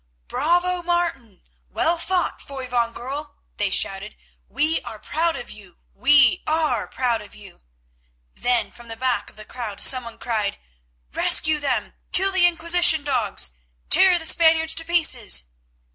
"Bravo, Martin! Well fought, Foy van Goorl!" they shouted, "We are proud of you! We are proud of you!" Then from the back of the crowd someone cried, "Rescue them!" "Kill the Inquisition dogs!" "Tear the Spaniards to pieces!"